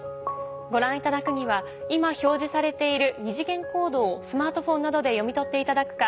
ご覧いただくには今表示されている二次元コードをスマートフォンなどで読み取っていただくか。